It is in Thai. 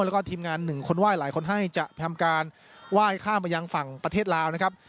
แล้วก็ทีมงานหนึ่งคนไหว้หลายคนให้จะทำการไหว้ข้ามไปยังฝั่งประเทศลาวนะครับ